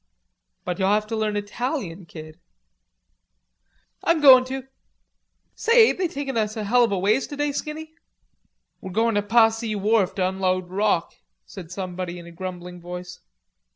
"But you'll have to learn Italian, Kid." "I'm goin' to. Say, ain't they taking us a hell of a ways today, Skinny?" "We're goin' to Passy Wharf to unload rock," said somebody in a grumbling voice.